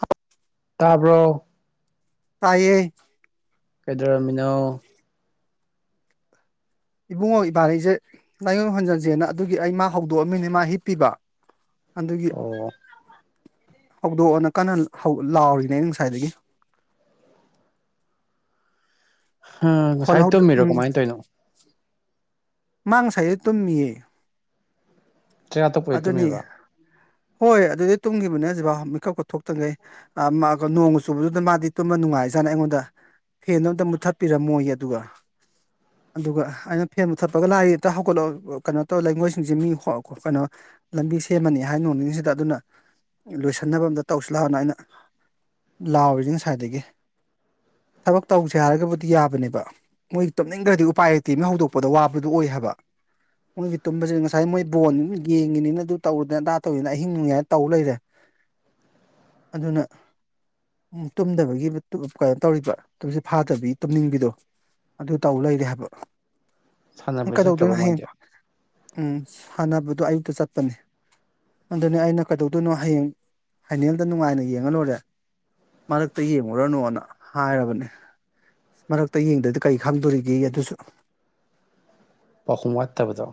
ꯍ ꯇꯥꯕ꯭ꯔꯣ ꯇꯥꯏꯌꯦ ꯀꯩꯗꯧꯔꯝꯃꯤꯅꯣ ꯏꯕꯨꯡꯉꯣ ꯏꯕꯥ ꯂꯩꯩꯁꯦ ꯂꯥꯏꯌꯣꯟ ꯍꯣꯟꯖꯟꯁꯦꯅ ꯑꯗꯨꯒꯤ ꯑꯩ ꯃꯥ ꯍꯧꯗꯣꯛꯑꯝꯃꯤꯅꯤ ꯃꯥ ꯍꯤꯞꯄꯤꯕ [unintelligible] ꯑꯗꯨꯒꯤ ꯑꯣ ꯍꯧꯗꯣꯛꯑꯣꯅ ꯀꯟꯅ ꯂꯥꯛꯑꯣꯔꯤꯅꯦ ꯑ ꯉꯁꯥꯏꯗꯒꯤ ꯑ ꯉꯁꯥꯏ ꯇꯨꯝꯃꯤꯔꯣ ꯀꯃꯥꯏꯅ ꯇꯧꯅꯣ ꯃꯥꯡꯁꯥꯏ ꯇꯨꯝ ꯃꯤꯌꯦ ꯆꯩꯉꯥꯛꯇꯄꯣꯏꯠꯇꯃꯦꯕ ꯍꯣꯏ ꯑꯗꯨꯗꯤ ꯇꯨꯝꯒꯤꯈꯤꯕꯅꯦ ꯍꯧꯖꯤꯛꯐꯥꯎ ꯃꯤꯀꯞꯀꯊꯣꯛꯇ꯭ꯔꯤꯉꯩ ꯅꯣꯡꯃ ꯆꯨꯕꯗꯨꯗ ꯃꯥꯗꯤ ꯇꯨꯝꯕ ꯅꯨꯡꯉꯥꯏ ꯏꯁꯥꯅ ꯑꯩꯉꯣꯟꯗ ꯐꯦꯟꯗꯣ ꯑꯝꯇ ꯃꯨꯊꯠꯄꯤꯔꯝꯃꯣꯏꯒꯤ ꯑꯗꯨꯒ ꯑꯗꯨꯒ ꯑꯩꯅ ꯐꯦꯟ ꯃꯨ ꯊꯠꯄꯒ ꯂꯥꯏꯔꯤꯛꯇ ꯍꯧꯒꯠꯂꯣ ꯀꯩꯅꯣ ꯇꯧꯔ ꯂꯩꯉꯣꯏꯁꯤꯡꯁꯦ ꯃꯤ ꯀꯩꯅꯣ ꯂꯝꯕꯤ ꯁꯦꯝꯃꯅꯤ ꯍꯥꯏꯅ ꯅꯣꯡꯅꯤꯡꯉꯤꯁꯤꯗ ꯑꯗꯨꯅ ꯂꯣꯏꯁꯤꯟꯅꯕ ꯑꯝꯇ ꯇꯧꯁꯤ ꯂꯥꯎꯅ ꯑꯩꯅ ꯂꯥꯛꯑꯣꯔꯤꯁ ꯉꯁꯥꯏꯗꯒꯤ ꯊꯕꯛ ꯇꯧꯁꯦ ꯍꯥꯏꯔꯒꯕꯨꯗꯤ ꯌꯥꯕꯅꯦꯕ ꯃꯣꯏ ꯇꯨꯝꯅꯤꯡꯈ꯭ꯔꯗꯤ ꯎꯄꯥꯏ ꯂꯩꯇꯦ ꯃꯤ ꯍꯧꯗꯣꯛꯄꯗ ꯋꯥꯕꯗꯨ ꯑꯣꯏ ꯍꯥꯏꯕ ꯎꯒꯤ ꯇꯨꯝꯁꯦ ꯉꯁꯥꯏ ꯃꯣꯏ ꯕꯣ ꯌꯦꯡꯉꯤꯅꯤꯅ ꯑꯗꯨ ꯇꯧꯔꯨꯗꯅ ꯑꯗꯥ ꯇꯧꯔꯤꯗꯅ ꯑꯍꯤꯡ ꯅꯨꯡꯉꯥꯏꯅ ꯇꯧ ꯂꯩꯔꯦ ꯑꯗꯨꯅ ꯎꯝ ꯇꯨꯝꯗꯕꯒꯤ ꯀꯩꯅꯣ ꯇꯧꯔꯤꯕ ꯇꯨꯝꯁ ꯐꯥꯗꯕꯤ ꯇꯨꯝꯅꯤꯡꯕꯤꯗꯣ ꯑꯗꯨ ꯇꯧ ꯂꯩꯔꯦ ꯍꯥꯏꯕ ꯁꯥꯟꯅꯕꯩ ꯀꯩꯗꯧꯗꯣꯏꯅꯣ ꯆꯠꯇ꯭ꯔꯕ ꯍꯌꯦꯡ ꯃꯥꯗꯤ ꯎꯝ ꯁꯥꯟꯅꯕꯗꯣ ꯑꯌꯨꯛꯇ ꯆꯠꯄꯅꯦ ꯑꯗꯨꯅꯦ ꯑꯩꯅ ꯀꯩꯗꯧꯗꯣꯏꯅꯣ ꯍꯌꯦꯡ ꯐꯥꯏꯅꯦꯜꯗ ꯅꯨꯡꯉꯥꯏꯅ ꯌꯦꯡꯉ ꯂꯣꯏꯨꯔꯦ ꯃꯔꯛꯇ ꯌꯦꯡꯉꯨꯔꯅꯨꯅ ꯍꯥꯏꯔꯕꯅꯤ ꯃꯔꯛꯇ ꯌꯦꯡꯗꯗꯤ ꯀꯔꯤ ꯈꯪꯗꯣꯔꯤꯒꯦ ꯑꯗꯨꯁꯨ ꯄꯥꯎꯈꯨꯝ ꯋꯥꯠꯇꯕꯗꯣ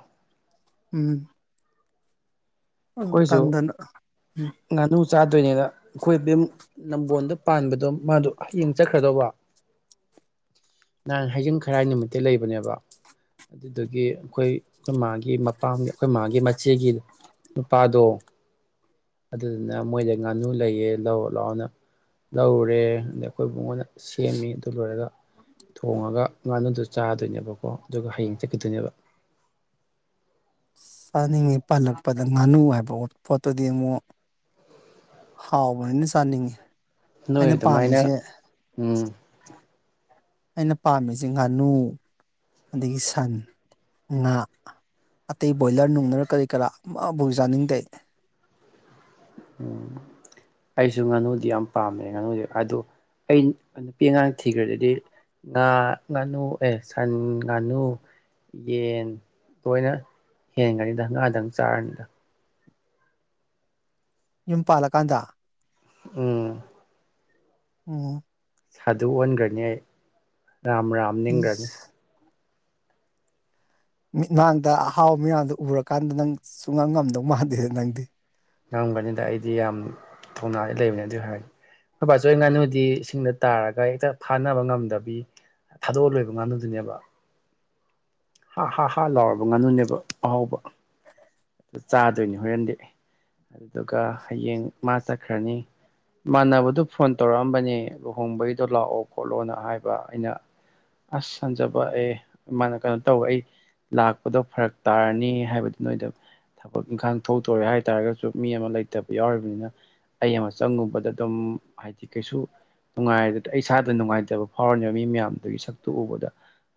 ꯎꯝ ꯀꯥꯟꯗꯅ ꯎꯝ ꯆꯥꯗꯣꯏꯅꯤꯅ ꯑꯩꯈꯣꯏꯃꯨꯛ ꯅꯝꯕꯣꯣꯟꯗ ꯄꯥꯟꯕꯗꯣ ꯃꯥꯗꯣ ꯍꯌꯦꯡ ꯆꯠꯈ꯭ꯔꯗꯧꯕ [inaudible] ꯅꯍꯥꯟ ꯍꯖꯤꯡ ꯈꯔꯥꯏ ꯅꯨꯃꯤꯠꯇ ꯂꯩꯕꯅꯦꯕ ꯑꯗꯨꯗꯒꯤ ꯑꯩꯈꯣꯏ ꯑꯩꯈꯣꯏ ꯃꯥꯒꯤ ꯑꯄꯥꯝꯃꯤ ꯑꯩꯈꯣꯏ ꯃꯥꯒꯤ ꯃꯆꯦꯒꯤꯗ ꯑꯗꯨꯗꯨꯅ ꯃꯣꯏꯗ ꯉꯥꯅꯨ ꯂꯩꯌꯦꯦ ꯂꯑꯣ ꯂꯥꯛꯑꯣꯅ ꯂꯧꯔꯨꯔꯦ ꯑꯗ ꯑꯩꯈꯣꯏꯕꯨꯉꯣꯟꯗ ꯁꯦꯝꯃꯤ ꯑꯗꯨ ꯂꯣꯏꯔꯒ ꯊꯣꯡꯉꯒ ꯉꯥꯅꯨꯗꯨ ꯆꯥꯗꯣꯏꯅꯦꯕꯀꯣ ꯑꯗꯨꯒ ꯍꯌꯦꯡ ꯆꯠꯈꯤꯗꯣꯏꯅꯦꯕ ꯆꯥꯅꯤꯡꯉꯤ ꯄꯜꯂꯛꯄꯗ ꯉꯥꯅꯨ ꯍꯥꯏꯕ ꯄꯣꯠꯇꯨꯗꯤ ꯑꯃꯨꯛ ꯍꯥꯎ ꯋꯥ ꯁꯥꯅꯤꯡꯦ ꯅꯣꯏ ꯑꯗꯨꯃꯥꯏꯅ ꯎꯝ ꯑꯩꯅ ꯄꯥꯝꯃꯤꯁꯤ ꯉꯥꯅꯨ ꯑꯗꯒꯤ ꯁꯟ ꯉꯥ ꯑꯇꯩ ꯕꯣꯏꯂꯔ ꯅꯨꯡꯗꯔ ꯀꯔꯤ ꯀꯔꯥ ꯑꯃꯕꯨꯥꯎ ꯌꯥꯥꯅꯤꯡꯗꯦ [inaudible] ꯎꯝ ꯑꯩꯁꯨ ꯉꯥꯅꯨꯗꯤ ꯌꯥꯝ ꯄꯥꯝꯃꯦ ꯉꯥꯅꯨꯗꯤ ꯑꯗꯨ ꯑꯩ ꯅꯨꯄꯤ ꯑꯉꯥꯡ ꯊꯤꯈ꯭ꯔꯗꯗꯤ ꯉꯥ ꯉꯥꯅꯨ ꯑꯦ ꯁꯟ ꯉꯥꯅꯨ ꯌꯦꯟ ꯂꯣꯏꯅ ꯍꯦꯟꯒꯅꯤꯗ ꯉꯥꯛꯗꯪ ꯆꯥꯔꯅꯤꯗ ꯌꯨꯝ ꯄꯥꯜꯂꯀꯥꯟꯗ ꯎꯝ ꯑꯣꯝ ꯁꯥꯗꯨ ꯑꯣꯟꯈ꯭ꯔꯅꯤ ꯑꯩ ꯔꯥꯝ ꯔꯥꯝ ꯅꯤꯡꯈ꯭ꯔꯅꯤ ꯃꯤꯠꯃꯥꯡꯗ ꯑꯍꯥꯎꯕ ꯃꯌꯥꯝꯗ ꯎꯔꯀꯥꯟꯗ ꯅꯪ ꯁꯨꯡꯉꯝ ꯉꯝꯗꯧ ꯃꯥꯟꯗꯦꯗ ꯅꯪꯗꯤ ꯉꯝꯒꯅꯤꯗ ꯑꯩꯗꯤ ꯌꯥꯝ ꯊꯧꯅꯥ ꯂꯩꯕꯅꯦ ꯑꯗꯨ ꯍꯥꯏꯔꯅꯤ ꯃꯄꯥꯁꯨ ꯑꯩ ꯉꯥꯅꯨꯗꯤ ꯏꯁꯤꯡꯗ ꯇꯥꯔꯒ ꯍꯦꯛꯇ ꯊꯥꯅꯕ ꯉꯝꯗꯕꯤ ꯊꯥꯗꯣꯛꯑ ꯂꯣꯏꯕ ꯉꯥꯅꯨꯗꯨꯅꯦꯕ ꯍꯥ ꯍꯥ ꯍꯥ ꯂꯥꯎꯔꯕ ꯉꯥꯅꯨꯅꯦꯕ ꯑꯍꯥꯎꯕ ꯑꯗꯨ ꯆꯥꯗꯣꯏꯅꯤ ꯍꯣꯔꯦꯟꯗꯤ ꯑꯗꯨꯗꯨꯒ ꯍꯌꯦꯡ ꯃꯥ ꯆꯠꯈ꯭ꯔꯅꯤ ꯃꯥꯟꯅꯕꯗꯨ ꯐꯣꯟ ꯇꯧꯔꯛꯑꯝꯕꯅꯦ ꯂꯨꯍꯣꯡꯕꯒꯤꯗꯣ ꯂꯥꯛꯑꯣ ꯈꯣꯠꯂꯣꯅ ꯍꯥꯏꯕ ꯑꯩꯅ ꯑꯁ ꯍꯟꯖꯕ ꯑꯦ ꯃꯥꯅ ꯀꯩꯅꯣ ꯇꯧꯋ ꯑꯩ ꯂꯥꯛꯄꯗꯣ ꯐꯔꯛ ꯇꯥꯔꯅꯤ ꯍꯥꯏꯕꯗꯨ ꯅꯣꯏꯗ ꯊꯕꯛ ꯏꯪꯈꯥꯡ ꯊꯣꯛꯇꯣꯔꯦ ꯍꯥꯏ ꯇꯥꯔꯒꯁꯨ ꯃꯤ ꯑꯃ ꯂꯩꯇꯕ ꯌꯥꯎꯔꯤꯕꯅꯤꯅ ꯑꯩ ꯑꯃ ꯆꯪꯉꯨꯕꯗ ꯑꯗꯨꯝ ꯍꯥꯏꯗꯤ ꯀꯩꯁꯨ ꯅꯨꯡꯉꯥꯏ ꯏꯁꯥꯗ ꯅꯨꯡꯉꯥꯏꯇꯕ ꯐꯥꯎꯔꯅꯦꯕ ꯃꯤ ꯃꯌꯥꯝꯗꯨꯒꯤ ꯁꯛꯇꯨ ꯎꯕꯗ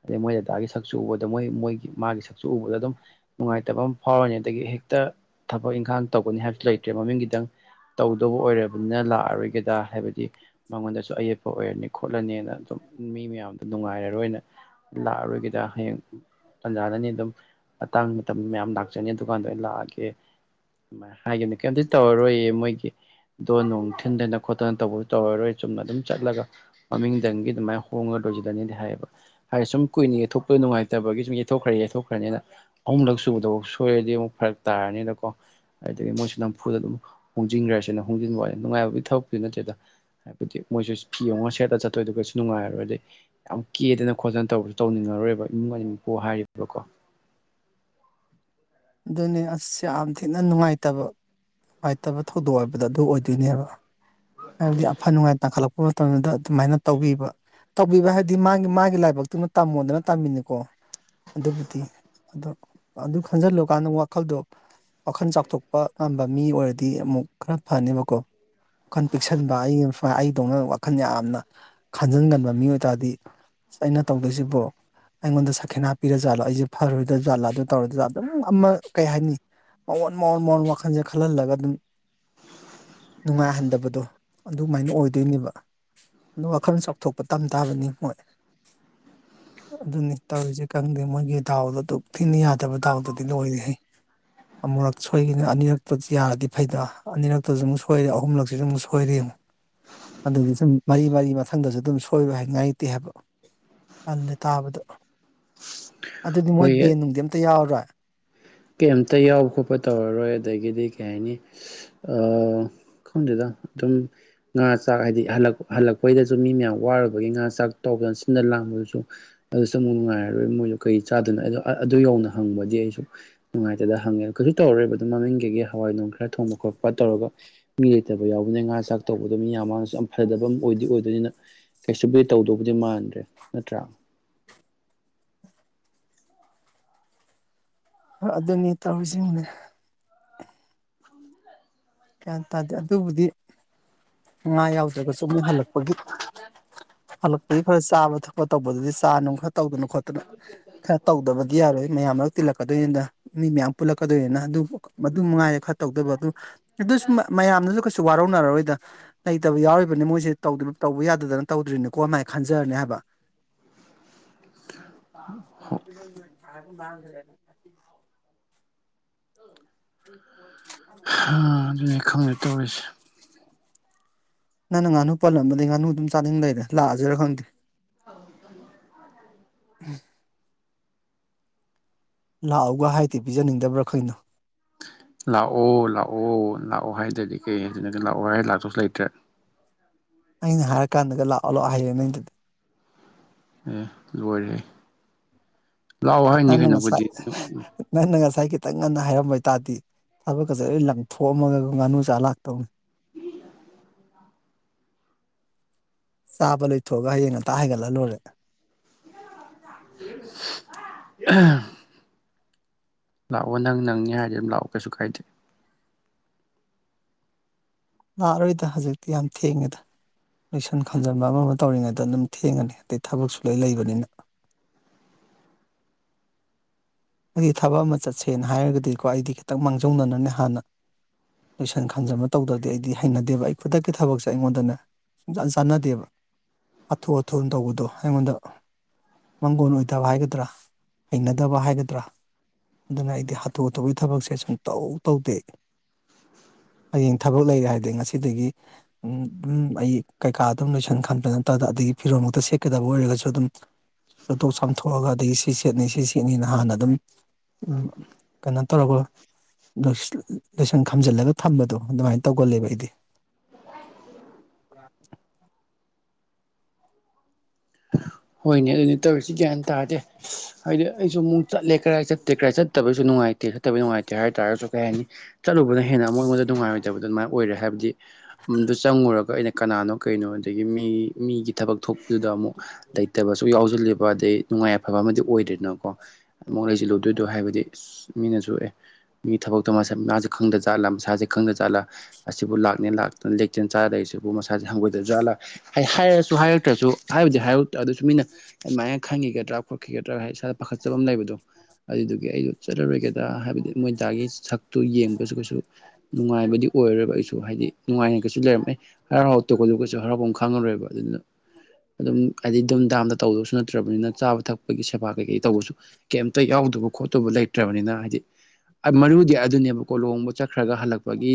ꯑꯗꯩ ꯃꯣꯏ ꯗꯗꯥꯒꯤ ꯁꯛꯁꯨ ꯎꯕꯗ ꯃꯣꯏ ꯃꯣꯏꯒꯤ ꯃꯥꯒꯤ ꯁꯛꯁꯨ ꯎꯕꯗ ꯑꯗꯨꯝ ꯅꯨꯡꯉꯥꯏꯇꯕ ꯑꯃ ꯐꯥꯎꯔꯅꯤ ꯑꯗꯒꯤ ꯍꯦꯛꯇ ꯊꯕꯛ ꯏꯈꯥꯡ ꯇꯧꯒꯅꯤ ꯍꯥꯏꯕꯁꯨ ꯂꯩꯇ꯭ꯔꯦ ꯃꯃꯤꯡꯒꯤꯇꯪ ꯇꯧꯗꯧꯕ ꯑꯣꯏꯔꯕ ꯔꯣꯏ ꯍꯥꯏꯕꯗꯤ ꯃꯉꯣꯟꯗ ꯑꯌꯦꯛꯄ ꯑꯣꯏꯔꯅꯤ ꯈꯣꯠꯂꯅꯤꯅ ꯑꯗꯨꯝ ꯃꯤ ꯃꯌꯥꯝꯗ ꯅꯨꯡꯉꯥꯏꯔꯔꯣꯏꯅ ꯂꯥꯛꯑꯔꯣꯏꯒꯤꯗ ꯍꯌꯦꯡ ꯇꯟꯖꯥꯅꯅꯤ ꯑꯗꯨꯝ ꯃꯇꯥꯡ ꯃꯇꯝ ꯃꯌꯥꯝ ꯂꯥꯛꯆꯅꯤ ꯗꯨꯀꯥꯟꯗ ꯑꯩ ꯂꯥꯛꯑꯒꯦ ꯍꯥꯏꯒꯦꯅꯤ ꯀꯩꯝꯇ ꯇꯧꯔꯔꯣꯏꯌꯦ ꯃꯣꯏꯒꯤ ꯑꯣ ꯅꯣꯡ ꯊꯤꯟꯗꯅ ꯈꯣꯠꯇꯅ ꯇꯧꯕ ꯇꯧꯔꯔꯣꯏ ꯆꯨꯝꯅ ꯑꯗꯨꯝ ꯆꯠꯂꯒ ꯃꯃꯤꯡꯗꯪꯒꯤ ꯑꯗꯨꯃꯥꯏꯅ ꯍꯣꯡꯉ ꯗꯅꯦꯗꯤ ꯍꯥꯏꯌꯦꯕ ꯍꯥꯏ ꯁꯨꯝ ꯀꯨꯏꯅ ꯌꯦꯛꯊꯣꯛꯄꯗ ꯅꯨꯡꯉꯥꯏꯇꯕꯒꯤ ꯁꯨꯝꯊꯣꯛꯈ꯭ꯔꯦ ꯌꯩꯊꯣꯛꯈ꯭ꯔꯅꯤꯅ ꯑꯍꯨꯝꯂꯛ ꯁꯨꯕꯗ ꯁꯣꯏꯔꯗꯤ ꯑꯃꯨꯛ ꯐꯔꯛ ꯇꯥꯔꯅꯤꯅꯀꯣ ꯑꯗꯨꯗꯒꯤ ꯃꯣꯏꯁꯨ ꯅꯝꯐꯨꯗ ꯑꯗꯨꯝ ꯍꯣꯡꯖꯤꯟꯈ꯭ꯔꯦꯁꯤꯅ ꯍꯣꯡꯖꯤꯟꯕ ꯅꯨꯡꯉꯥꯏꯕꯒꯤ ꯊꯕꯛꯇꯤ ꯅꯠꯇꯦꯗ ꯍꯥꯏꯕꯗꯤ ꯃꯣꯏꯁꯨ ꯐꯤ ꯑꯃ ꯁꯦꯠꯇꯂ ꯆꯠꯇꯣꯏꯗꯨꯒꯁꯨ ꯅꯨꯡꯉꯥꯏꯔꯣꯏ ꯑꯗꯤꯩ ꯌꯥꯝ ꯀꯦꯗꯅ ꯈꯣꯠꯇꯅ ꯇꯧꯕꯔꯁꯨ ꯇꯧꯅꯤꯡꯉꯔꯣꯏꯕ ꯏꯃꯨꯡ ꯃꯔꯤ ꯃꯄꯨ ꯍꯥꯏꯔꯤꯕꯀꯣ ꯑꯗꯨꯅꯤ ꯑꯁ ꯌꯥꯝ ꯊꯤꯅ ꯅꯨꯡꯉꯥꯏꯇꯕ ꯅꯨꯡꯉꯥꯏꯇꯕ ꯊꯧꯗꯣꯛ ꯍꯥꯏꯕꯗꯣ ꯑꯗꯨ ꯑꯣꯏꯗꯣꯏꯅꯦꯕ ꯍꯥꯏꯕꯗꯤ ꯑꯐ ꯅꯨꯡꯉꯥꯏ ꯇꯥꯡꯈꯠꯂꯛꯄ ꯃꯇꯝꯗꯨꯗ ꯑꯗꯨꯃꯥꯏꯅ ꯇꯧꯕꯤꯕ ꯇꯧꯕꯤꯕ ꯍꯥꯏꯕꯗꯤ ꯃꯥꯒꯤ ꯃꯥꯒꯤ ꯂꯥꯏꯕꯛꯇꯨꯅ ꯇꯝꯃꯣꯗꯅ ꯇꯝꯃꯤꯅꯤꯀꯣ ꯑꯗꯨꯕꯨꯗꯤ ꯑ ꯑꯗꯨ ꯈꯟꯖꯤꯜꯂꯨ ꯀꯥꯟꯅ ꯋꯥꯈꯜꯗꯣ ꯋꯥꯈꯜ ꯆꯥꯎꯊꯣꯛꯄ ꯉꯝꯕ ꯃꯤ ꯑꯣꯏꯔꯗꯤ ꯑꯃꯨꯛ ꯈꯔ ꯐꯅꯦꯕꯀꯣ ꯋꯥꯈꯜ ꯄꯤꯛꯁꯟꯕ ꯑꯩꯅ ꯁꯨꯃꯥꯏ ꯑꯩꯗꯧꯅ ꯋꯥꯈꯜ ꯌꯥꯝꯅ ꯈꯟꯖꯤꯟꯒꯟꯕ ꯃꯤꯑꯣ ꯑꯣꯏ ꯇꯔꯗꯤ ꯑꯁ ꯑꯩꯅ ꯇꯧꯗꯣꯏꯁꯤꯕꯨꯣ ꯑꯩꯉꯣꯟꯗ ꯁꯈꯦꯅꯥ ꯍꯥꯞꯄꯤꯔꯥꯖꯥꯠꯂꯣ ꯑꯩꯁꯦ ꯐꯔꯣꯏꯗ ꯖꯥꯠꯂꯣ ꯑꯗꯨ ꯇꯧꯔꯗ ꯖꯥꯠ ꯑꯗꯨꯝ ꯑꯃ ꯀꯩ ꯍꯥꯏꯅꯤ ꯃꯉꯣꯟ ꯃꯋꯣꯟ ꯃꯣꯟ ꯋꯥꯈꯜꯁꯦ ꯈꯜꯍꯜꯂꯒ ꯑꯗꯨꯝ ꯅꯨꯡꯉꯥꯏꯍꯟꯗꯕꯗꯣ ꯑꯗꯨꯃꯥꯏꯅ ꯑꯣꯏꯗꯣꯏꯅꯦꯕ ꯑꯗꯨ ꯋꯥꯈꯜꯂꯣꯟ ꯆꯥꯎꯊꯣꯛꯄ ꯇꯝ ꯇꯥꯕꯅꯤ ꯃꯣꯏ ꯑꯗꯨꯅꯤ ꯇꯧꯔꯤꯁꯦ ꯈꯪꯗꯦ ꯃꯣꯏꯒꯤ ꯗꯥꯥꯎꯗꯣ ꯑꯗꯨ ꯊꯤꯟꯅ ꯌꯥꯗꯕ ꯗꯥꯥꯎꯗ ꯑꯗꯨ ꯂꯣꯏꯔꯤꯁꯤ ꯑꯃꯨꯛꯨꯔꯛ ꯁꯣꯏꯈꯤꯅ ꯑꯅꯤꯔꯛꯇꯗꯤ ꯌꯥꯔꯗꯤ ꯐꯩꯗ ꯑꯅꯤꯔꯛꯇꯁꯨ ꯑꯃꯨꯛ ꯁꯣꯏꯔꯦ ꯑꯍꯨꯝꯂꯛꯁꯤꯁꯨ ꯑꯃꯨꯛ ꯁꯣꯏꯔꯤ ꯑꯗꯨꯗꯤ ꯁꯨꯝ ꯃꯔꯤ ꯃꯔꯤ ꯃꯊꯪꯗꯁꯨ ꯑꯗꯨꯝ ꯁꯣꯏꯔꯣꯏ ꯍꯥꯏꯉꯥꯏꯇꯦ ꯍꯥꯏꯕ ꯄꯜꯂꯦ ꯇꯥꯕꯗꯣ ꯑꯗꯨꯗꯤ ꯃꯣꯏ ꯕꯦꯟ ꯅꯨꯡꯗꯤ ꯑꯝꯇ ꯌꯥꯎꯔꯣꯏꯥ ꯀꯩꯇ ꯌꯥꯎꯕ ꯈꯣꯠꯄ ꯇꯧꯔꯔꯣꯏ ꯑꯗꯒꯤꯗꯤ ꯀꯩ ꯍꯥꯏꯅꯤ ꯪꯗꯨꯗ ꯑꯗꯨꯝ ꯉꯥ ꯆꯥꯛ ꯍꯥꯏꯗꯤ ꯍꯜꯂꯛꯄꯩꯗꯁꯨ ꯃꯤ ꯃꯌꯥꯝ ꯋꯥꯔꯨꯕꯒꯤ ꯉꯥ ꯆꯥꯛ ꯇꯧꯕ ꯁꯤꯗ ꯂꯥꯡꯗꯨꯁꯨ ꯑꯗꯨ ꯆꯨꯛ ꯅꯨꯡꯉꯥꯏꯔꯔꯣꯏ ꯃꯣꯏꯁꯨ ꯀꯩ ꯆꯥꯗꯅꯣ ꯑꯗꯨ ꯌꯧꯅ ꯍꯪꯕꯗꯤ ꯑꯩ [inaudible] ꯅꯨꯡꯉꯥꯏꯇꯗꯅ ꯍꯪꯉꯦ ꯀꯩꯁꯨ ꯇꯧꯔꯣꯏꯕ ꯑꯗꯨꯣ ꯃꯃꯤꯡ ꯀꯩꯒꯤ ꯍꯋꯥꯏ ꯅꯨꯡ ꯈꯔ ꯊꯣꯡꯕ ꯈꯣꯠꯄ ꯇꯧꯔꯒ ꯃꯤ ꯂꯩꯇꯕ ꯌꯥꯎꯕ ꯉꯥ ꯆꯥꯛ ꯇꯧꯕ ꯑꯗꯨꯝ ꯌꯥꯝꯌꯥꯝ ꯃꯥ ꯌꯥꯝ ꯐꯗꯕ ꯑꯃ ꯑꯣꯏꯗꯤ ꯑꯣꯏꯗꯣꯏꯅꯤꯅ ꯀꯩꯁꯨ ꯦ ꯇꯧꯗꯧꯕꯗꯤ ꯃꯥꯟꯗ꯭ꯔꯦ ꯅꯠꯇ꯭ꯔꯥ ꯑꯗꯨꯅꯤ ꯇꯧꯁꯤꯡꯅꯦ ꯀꯌꯥ ꯇꯥꯗꯦ ꯑꯗꯨꯕꯨꯗꯤ ꯉꯥ ꯌꯥꯎꯗ꯭ꯔꯒꯁꯨꯅ ꯍꯜꯂꯛꯄꯒꯤ ꯍꯜꯂꯛꯄꯒꯤ ꯐꯔ ꯆꯥꯕ ꯊꯛ ꯣ ꯇꯧꯕꯗꯨꯗꯤ ꯆꯥ ꯅꯨꯡ ꯈꯔ ꯇꯧꯗꯅ ꯈꯣꯠꯇꯅ ꯈꯔ ꯇꯧꯗꯕꯗꯤ ꯌꯥꯔꯣꯏ ꯃꯌꯥꯝꯅ ꯇꯤꯜꯂꯛꯀꯗꯣꯏꯅꯤꯅ ꯃꯤ ꯃꯌꯥꯝ ꯄꯨꯜꯂꯛꯀꯗꯣꯏꯅ ꯑꯗꯨ ꯃꯗꯨ ꯃꯉꯥꯏꯔꯦ ꯈꯔ ꯇꯧꯗꯕ ꯑꯗꯨ ꯑꯗꯨ ꯃꯌꯥꯝꯅꯁꯨ ꯀꯩ ꯁꯨ ꯋꯥꯔꯧꯅꯔꯔꯣꯏꯗ ꯂꯩꯇꯕ ꯌꯥꯎꯔꯤꯕꯅꯤ ꯃꯣꯏꯁꯦꯧ ꯇꯧꯕ ꯌꯥꯗꯗꯅ ꯇꯧꯗ꯭ꯔꯤꯅꯤꯀꯣ ꯑꯃꯥꯏꯅ ꯈꯟꯖꯔꯅꯤ ꯍꯥꯏꯕ ꯔ ꯑ ꯑꯗꯨꯅꯤ ꯈꯪꯅꯦ ꯇꯧꯔꯤꯁꯦ ꯅꯪꯅ ꯉꯥꯅꯨ ꯄꯜꯂꯝꯕꯗꯤ ꯉꯥꯅꯨ ꯑꯗꯨꯝ ꯆꯥꯅꯤꯡ ꯂꯩꯔꯦ ꯂꯥꯛꯑꯁꯤꯔꯥ ꯈꯪꯗꯦ ꯍ ꯎꯝ ꯂꯥꯛꯎꯒ ꯍꯥꯏꯗꯤꯦ ꯄꯤꯖꯅꯤꯡꯗꯕ꯭ꯔꯥ ꯀꯩꯅꯣ ꯂꯥꯛꯑꯣ ꯂꯥꯛꯑꯣ ꯂꯥꯛꯑꯣ ꯍꯥꯏꯗꯗꯤ ꯀꯩ ꯍꯥꯏꯗꯅ ꯂꯥꯛꯑꯣ ꯍꯥꯏ ꯂꯥꯛꯇꯁꯨ ꯂꯩꯇ꯭ꯔꯦ ꯑꯩꯅ ꯍꯥꯏꯔ ꯀꯥꯟꯗꯒ ꯂꯥꯛꯑꯣ ꯂꯣ ꯍꯥꯏꯌꯦꯦ ꯅꯪꯗꯨꯗꯤ ꯑꯦ ꯂꯣꯏꯔꯦ ꯂꯥꯛꯑꯣ ꯍꯥꯏꯅꯤ ꯅꯟꯅꯪ ꯀꯩꯅꯣꯕꯨꯗꯤ ꯅ ꯉ ꯁꯥꯥꯏꯀꯤ ꯈꯤꯇꯪ ꯉꯟꯅ ꯍꯥꯏꯔꯝꯕ ꯍꯥꯏꯇꯥꯥꯔꯗꯤ ꯊꯕꯛꯀꯁꯦ ꯂꯣꯏ ꯂꯪꯊꯣꯛꯑꯝꯃꯒ ꯉꯥꯅꯨ ꯆꯥ ꯂꯥꯛꯇꯧꯅꯤ [unintelligible] ꯆꯥꯕ ꯂꯣꯏꯊꯣꯛꯑꯒ ꯍꯌꯦꯡ ꯉꯇ ꯍꯥꯏꯒꯠꯂꯂꯨꯔꯦ ꯎꯝ ꯂꯥꯛꯑꯣ ꯅꯪ ꯅꯪꯉ ꯍꯥꯏꯔꯗꯤ ꯑꯗꯨꯝ ꯂꯥꯛꯑꯣ ꯀꯩꯁꯨ ꯀꯥꯏꯗꯦ ꯂꯥꯛꯑꯔꯣꯏꯗ ꯍꯧꯖꯤꯛꯇꯤ ꯌꯥꯝ ꯊꯦꯡꯉꯦꯗ ꯂꯣꯏꯁꯟ ꯈꯥꯝꯖꯤꯟꯕ ꯑꯃ ꯑꯃ ꯇꯧꯔꯤꯉꯩꯗ ꯑꯗꯨꯝ ꯊꯦꯡꯉꯅꯤ ꯑꯗꯩ ꯊꯕꯛ ꯁꯨꯂꯣꯏ ꯂꯩꯕꯅꯤꯅ [unintelligible] ꯑꯩꯗꯤ ꯊꯕꯛ ꯑꯃ ꯆꯠꯁꯦꯅ ꯍꯥꯏꯔꯒꯗꯤꯀꯣ ꯑꯩꯗꯤ ꯈꯤꯇꯪ ꯃꯥꯡꯖꯧꯅꯅꯅꯤ ꯍꯥꯟꯅ ꯂꯣꯏꯁꯟ ꯈꯟꯖꯟꯕ ꯇꯧꯗ꯭ꯔꯗꯤ ꯑꯩꯗꯤ ꯍꯩꯅꯗꯦꯕ ꯑꯩ ꯈꯨꯗꯛꯀꯤ ꯊꯕꯛꯁꯦ ꯑꯩꯉꯣꯟꯗꯅꯦ ꯁꯨꯡꯆꯥꯟ ꯆꯥꯟꯅꯗꯦꯕ ꯍꯥꯊꯨ ꯍꯥꯊꯨꯅ ꯇꯧꯕꯗꯣ ꯑꯩꯉꯣꯟꯗ ꯃꯪꯒꯣꯟ ꯑꯣꯏꯗꯕ ꯍꯥꯏꯒꯗ꯭ꯔꯥ ꯍꯩꯅꯗꯕ ꯍꯥꯏꯒꯗ꯭ꯔꯥ ꯅꯠꯇ꯭ꯔꯥ ꯑꯗꯨꯅ ꯑꯩꯗꯤ ꯍꯥꯊꯨ ꯍꯥꯊꯨꯒꯤ ꯊꯕꯛꯁꯦ ꯁꯨꯝ ꯇꯧ ꯇꯧꯗꯦ ꯍꯌꯦꯡ ꯊꯕꯛ ꯂꯩꯔꯦ ꯍꯥꯏꯗꯤ ꯉꯁꯤꯗꯒꯤ ꯎꯝ ꯑꯩ ꯀꯩꯀꯥ ꯑꯗꯨꯝ ꯂꯣꯏꯁꯟ ꯈꯟꯕ ꯅꯠꯇꯗ ꯑ ꯑꯗꯒꯤ ꯐꯤꯔꯣꯝꯃꯨꯛꯇ ꯁꯦꯠꯀꯗꯕ ꯑꯣꯏꯔꯒꯁꯨ ꯑꯗꯨꯝ ꯆꯣꯊꯣꯛ ꯆꯥꯝꯊꯣꯛꯑꯒ ꯑꯗꯒꯤ ꯁꯤ ꯁꯦꯠꯅ ꯁꯤ ꯁꯦꯠꯅꯤꯅ ꯍꯥꯟꯅ ꯑꯗꯨꯝ ꯀꯩꯅꯣ ꯇꯧꯔꯒ ꯂꯣꯏꯁꯪ ꯈꯝꯖꯤꯜꯂꯒ ꯊꯝꯕꯗꯣ ꯑꯗꯨꯃꯥꯏꯅ ꯇꯧꯒꯜꯂꯦꯕ ꯑꯩꯗꯤ [unintelligible] ꯍꯣꯏꯅꯦ ꯑꯗꯨꯅꯤ ꯇꯧꯔꯤꯁꯤ ꯒ꯭ꯌꯥꯟ ꯇꯥꯗꯦ ꯍꯥꯏꯗꯤ ꯑꯩꯁꯨ ꯑꯃꯨꯛ ꯆꯠꯂꯦ ꯀꯗꯥꯥꯏ ꯆꯠꯇꯦ ꯀꯥꯏ ꯆꯠꯇꯕꯩꯁꯨ ꯅꯨꯡꯉꯥꯏꯇꯦ ꯆꯠꯇꯕꯩ ꯅꯨꯡꯉꯥꯏꯇꯦ ꯍꯥꯏ ꯇꯥꯔꯒꯁꯨ ꯀꯩ ꯍꯥꯏꯅꯤ ꯆꯠꯂꯨꯕꯅ ꯍꯦꯟꯅ ꯑꯃꯨꯛ ꯑꯩꯉꯣꯟꯗ ꯅꯨꯡꯉꯥꯏꯔꯣꯏꯗꯕꯗ ꯑꯗꯨꯃꯥꯏꯅ ꯑꯣꯏꯔꯦ ꯍꯥꯏꯕꯗꯤꯗꯨ ꯆꯪꯉꯨꯔꯒ ꯑꯩꯅ ꯀꯅꯥꯅꯣ ꯀꯩꯅꯣ ꯑꯗꯒꯤ ꯃꯤ ꯃꯤꯒꯤ ꯊꯕꯛ ꯊꯣꯛꯄꯗꯨꯗ ꯑꯃꯨꯛ ꯑꯐꯕ ꯑꯗꯩ ꯅꯨꯡꯉꯥꯏ ꯑꯐꯕ ꯑꯃꯗꯤ ꯑꯣꯏꯗ꯭ꯔꯦꯗꯅꯀꯣ ꯑꯃꯨ ꯂꯩꯁꯤꯜꯂꯨꯗꯣꯏꯗꯣ ꯍꯥꯏꯕꯗꯤ ꯑ ꯃꯤꯅꯁꯨ ꯑꯦ ꯃꯤ ꯊꯕꯛꯇꯣ ꯃꯁ ꯃꯥꯁꯦ ꯈꯪꯗ ꯖꯥꯠꯂꯥ ꯃꯁꯥꯁꯦ ꯈꯪꯗ ꯖꯥꯠꯂ ꯑꯁꯤꯕꯨ ꯂꯥꯛꯅꯦ ꯂꯥꯛꯇꯅ ꯂꯦꯛꯆꯦꯟ ꯆꯥꯗ ꯕꯨ ꯃꯁꯥꯁꯦ ꯍꯪꯒꯣꯏꯗ꯭ꯔꯖꯥꯠꯂ ꯍꯥꯏꯔꯁꯨ ꯍꯥꯏꯔꯛꯇ꯭ꯔꯁꯨ ꯍꯥꯏꯕꯗꯤ ꯍꯥꯏ ꯑꯗꯨꯁꯨ ꯃꯤꯅ ꯑꯗꯨꯃꯥꯏꯅ ꯈꯪꯈꯤꯒꯗ꯭ꯔꯥ ꯈꯣꯠ ꯀꯤꯒꯗ꯭ꯔꯥ ꯍꯥꯏ ꯏꯁꯥꯗ ꯄꯥꯈꯠꯆꯕ ꯑꯃ ꯂꯩꯕꯗꯣ ꯑꯗꯨꯗꯨꯒꯤ ꯑꯩꯗꯣ ꯆꯠꯂꯔꯣꯏꯒꯗ꯭ꯔꯥ ꯍꯥꯏꯕꯗꯤ ꯃꯣꯏꯗꯥꯒꯤ ꯁꯛꯇꯨ ꯌꯦꯡꯕꯁꯨ ꯀꯩꯁꯨ ꯅꯨꯡꯉꯥꯏꯕꯗꯤ ꯑꯣꯏꯔꯕ ꯑꯩꯁꯨ ꯍꯥꯏꯗꯤ ꯅꯨꯡꯉꯥꯏꯅꯒꯩꯁꯨ ꯂꯩꯔꯝꯃꯦ ꯍꯔꯥꯎ ꯍꯔꯥꯎ ꯇꯧꯒꯗꯒꯁꯨ ꯍꯔꯥꯎꯐꯝ ꯈꯥꯡꯉꯔꯣꯏꯕ ꯑꯗꯨꯅ ꯑꯗꯨꯝ ꯍꯥꯏꯗꯤ ꯝ ꯗꯥꯝꯗ ꯇꯧꯗꯕꯁꯨ ꯅꯠꯇ꯭ꯔꯕꯅꯤꯅ ꯆꯥꯕ ꯊꯛꯄꯒꯤ ꯁꯦꯕꯥ ꯀꯩ ꯀꯩ ꯇꯧꯕꯁꯨ ꯀꯩꯝꯇ ꯌꯥꯎꯗꯕ ꯈꯣꯠꯇꯕ ꯂꯩ ꯂꯩꯇ꯭ꯔꯕꯅꯤꯅ ꯍꯥꯏꯗꯤ ꯃꯔꯨꯗꯤ ꯑꯗꯨꯅꯦꯕꯀꯣ ꯂꯨꯍꯣꯡꯕ ꯆꯠꯈ꯭ꯔꯒ ꯍꯜꯂꯛꯄꯒꯤ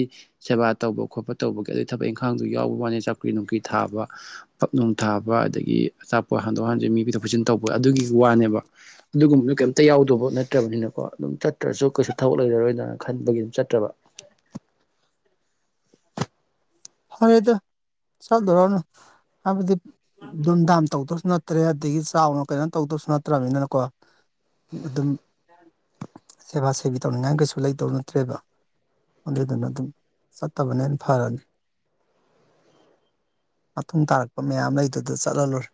ꯁꯦꯕꯥ ꯇꯧꯕ ꯈꯣꯠꯄ ꯇꯧꯕꯒꯤ ꯑꯗꯨꯒꯤ ꯊꯕꯛ ꯏꯪꯈꯠ ꯑꯉꯥꯡꯗꯨ ꯌꯥꯎꯕ ꯋꯥꯅꯤ ꯆꯧꯀ꯭ꯔꯤ ꯅꯨꯡꯀ꯭ꯔꯤ ꯊꯥꯕ ꯄꯛꯅꯨꯡ ꯊꯥꯕ ꯑꯗꯒꯤ ꯑꯆꯥꯄꯣ ꯍꯟꯗꯣꯛ ꯍꯟꯖꯤꯦ ꯃꯤꯕꯤꯗ ꯄꯨꯤꯖꯤꯟ ꯇꯧꯕ ꯑꯗꯨꯒꯤ ꯋꯥꯅꯦꯕ ꯑꯗꯨꯒꯨꯝꯕꯗꯨ ꯀꯩꯝꯇ ꯌꯥꯎꯗꯧꯕ ꯅꯠꯇ꯭ꯔꯕꯅꯤꯅꯀꯣ ꯑꯗꯨꯝ ꯆꯠꯇ꯭ꯔꯁꯨ ꯀꯩꯁꯨ ꯊꯕꯛ ꯂꯩꯔꯔꯣꯏꯗꯅ ꯈꯟꯕꯒꯤ ꯑꯗꯨꯝ ꯆꯠꯇ꯭ꯔꯕ ꯍꯗ ꯆꯗꯧꯔꯅ ꯍꯥꯏꯕꯗꯤ ꯨꯝꯗꯥꯝ ꯇꯧꯗꯕꯁꯨ ꯅꯠꯇ꯭ꯔꯦ ꯑꯗꯒꯤ ꯆꯥꯎꯅ ꯀꯩꯅꯣ ꯇꯧꯗ꯭ꯔꯁꯨ ꯅꯠꯇ꯭ꯔꯅꯤꯅꯀꯣ ꯑꯗꯨꯝ ꯁꯦꯕꯥ ꯁꯦꯕꯤ ꯇꯧꯅꯤꯡꯉꯥꯏ ꯀꯩꯁꯨ ꯂꯩꯇꯧ ꯅꯠꯇ꯭ꯔꯦꯕ ꯑꯗꯨꯗꯨꯅ ꯑꯗꯨꯝ ꯆꯠꯇꯕꯅꯦꯅ ꯐꯔꯅꯤ ꯃꯇꯨꯡ ꯇꯥꯔꯛꯄ ꯃꯌꯥꯝ ꯂꯩꯗꯨꯗ ꯆꯠꯍꯜꯂꯨꯔꯦ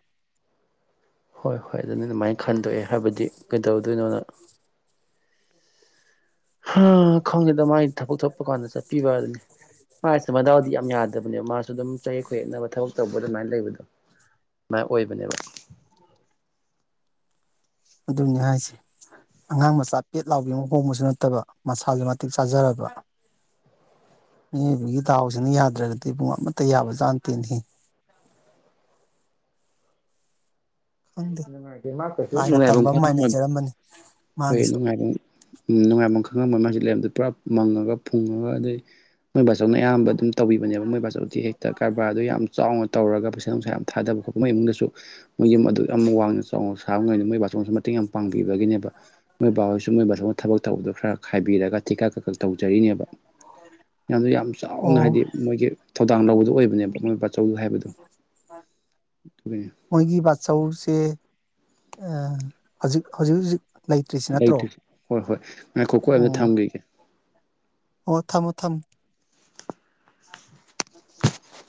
ꯍꯣꯏ ꯍꯣꯏ ꯑꯗꯨꯅ ꯑꯗꯨꯃꯥꯏꯅ ꯈꯟꯗꯣꯛꯑꯦ ꯍꯥꯏꯕꯗꯤ ꯀꯩꯗꯧꯗꯣꯏꯅꯣꯅ ꯈꯪꯉꯦꯗ ꯃꯥꯒꯤ ꯊꯕꯛ ꯊꯠꯄ ꯀꯥꯟꯗ ꯆꯠꯄꯤꯕ ꯍꯥꯏ ꯑꯗꯨꯅꯤ ꯃꯥꯒꯤꯁꯨ ꯃꯗꯥꯎꯗꯤ ꯌꯥꯝ ꯌꯥꯗꯕꯅꯦꯕ ꯃꯥꯁꯨ ꯑꯗꯨꯝ ꯆꯌꯦꯛ ꯈꯨꯌꯦꯛꯅꯕ ꯊꯕꯛ ꯇꯧꯕ ꯑꯗꯨꯃꯥꯏꯅ ꯂꯩꯕꯗꯣ ꯃꯥ ꯑꯣꯏꯕꯅꯦꯕ ꯑꯗꯨꯝꯅꯤ ꯍꯥꯏꯁꯦ ꯑꯉꯥꯡ ꯃꯆꯥ ꯄꯦꯠ ꯂꯥꯎꯕꯤ ꯑꯃ ꯍꯣꯡꯕꯁꯨ ꯅꯠꯇꯕ ꯃꯁꯥꯁꯨ ꯃꯇꯤꯛ ꯆꯥꯖꯔꯕ ꯃꯤꯑꯣꯏꯕꯒꯤ ꯗꯥꯥꯎꯁꯤꯅ ꯌꯥꯗ꯭ꯔꯒꯗꯤ ꯄꯨꯡ ꯑꯃꯠꯇ ꯌꯥꯕ ꯆꯥꯅ ꯇꯤꯟꯈꯤ [unintelligible] ꯅꯨꯡꯉꯥꯏꯈꯦ ꯃꯥꯁꯨ ꯂꯥꯏꯅ ꯅꯨꯡꯉꯥꯏꯕ ꯇꯝꯕ ꯑꯃ ꯈ ꯃꯥꯏ ꯂꯩꯖꯔꯝꯃꯅꯤ ꯍꯣꯏ ꯃꯥꯒꯤꯁꯨ ꯅꯨꯡꯉꯥꯏꯕ ꯅꯨꯡꯉꯥꯏꯕ ꯈꯪꯉꯕ ꯃꯥꯁꯤꯦ ꯂꯩꯗ ꯄꯨꯔꯥ ꯃꯪꯉꯒ ꯐꯨꯡꯉꯒ ꯑꯗꯩ ꯃꯣꯏ ꯕꯥꯆꯧꯅ ꯑꯌꯥꯝꯕ ꯑꯗꯨꯝ ꯇꯧꯕꯤꯕꯅꯦꯕ ꯃꯣꯏ ꯕꯥꯆꯧꯗꯤ ꯍꯦꯛꯇ ꯀꯔꯕꯥꯔꯗꯣ ꯌꯥꯝ ꯆꯥꯎꯅ ꯇꯧꯔꯒ ꯄꯩꯁꯥ ꯅꯨꯡꯁꯥ ꯌꯥꯝ ꯊꯥꯗꯕ ꯈꯣꯠꯄ ꯃꯣꯏ ꯏꯃꯨꯡꯗꯁꯨ ꯃꯣꯏꯒꯤ ꯌꯥꯝ ꯋꯥꯡꯅ ꯆꯥꯎꯅ ꯁꯥꯕ [unintelligible] ꯃꯣꯏ ꯕꯥꯆꯧꯅꯁꯨ ꯃꯇꯦꯡ ꯌꯥꯝ ꯄꯥꯡꯕꯤꯕꯒꯤꯅꯦꯕ ꯃꯣꯏ ꯕꯥꯍꯣꯏꯁꯨ ꯃꯣꯏ ꯕꯥꯆꯧꯅ ꯊꯕꯛ ꯇꯧꯕꯗꯣ ꯈꯔ ꯈꯥꯏꯕꯤꯔꯒ ꯊꯤꯀꯥ ꯀꯛꯀꯛ ꯇꯧꯖꯔꯤꯅꯦꯕ ꯃꯌꯥꯝꯗꯨ ꯌꯥꯝ ꯆꯥꯎꯅ ꯑꯣ ꯍꯥꯏꯗꯤ ꯃꯣꯏꯒꯤ ꯊꯧꯗꯥꯡ ꯂꯧꯕꯗꯨ ꯑꯣꯏꯕꯅꯦꯕ ꯃꯣꯏ ꯕꯥ ꯑꯗꯨꯒꯤꯅꯤ ꯃꯣꯏꯒꯤ ꯕꯥꯆꯧꯁꯦ ꯑ ꯍꯧꯖꯤꯛ ꯍꯧꯖꯤꯛ ꯍꯧꯖꯤꯛ ꯂꯩꯇ꯭ꯔꯤꯁꯤ ꯅꯠꯇ꯭ꯔꯣ ꯂꯩꯇꯦ ꯍꯣꯏ ꯍꯣꯏ ꯉꯥꯏꯈꯣꯀꯣ ꯑꯩ ꯑꯝꯇ ꯑꯣ ꯊꯝꯈꯤꯒꯦ ꯑꯣ ꯊꯝꯃꯣ ꯊꯝꯃꯣ [unintelligible]